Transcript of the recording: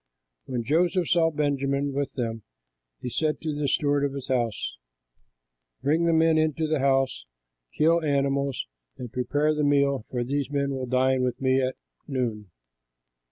When Joseph saw Benjamin with them, he said to the steward of his house, "Bring the men into the house, kill animals, and prepare the meal, for these men will dine with me at noon."